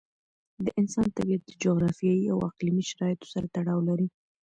د انسان طبیعت د جغرافیایي او اقليمي شرایطو سره تړاو لري.